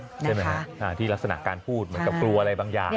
ใช่ไหมฮะที่ลักษณะการพูดเหมือนกับกลัวอะไรบางอย่าง